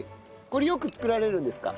これよく作られるんですか？